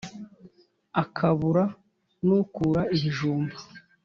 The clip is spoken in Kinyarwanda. Akabura n'ukura ibijumba